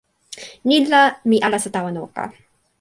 ni la, mi alasa tawa noka.